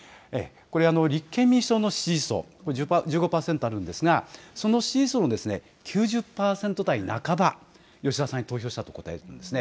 立憲民主党の支持層、１５％あるんですがその支持層の９０％台半ば、吉田さんに投票したと答えています。